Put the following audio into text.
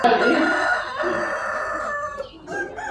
ړوند یو وار امساء ورکوي ..